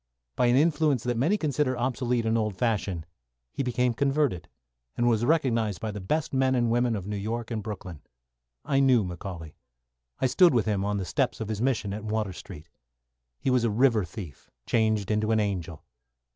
By an influence that many consider obsolete and old fashioned, he became converted, and was recognised by the best men and women in New York and Brooklyn. I knew McCauley. I stood with him on the steps of his mission in Water Street. He was a river thief changed into an angel.